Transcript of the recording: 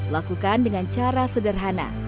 lakukan dengan cara sederhana